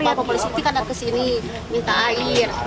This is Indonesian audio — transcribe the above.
pak pak kepolisian kan datang ke sini minta air